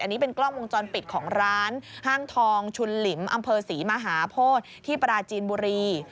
อันนี้เป็นกล้องวงจรปิดของร้านห้างทองชุนหลิมอำเภอศรีมหาโพธิที่ปราจีนบุรี